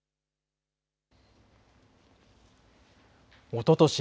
おととし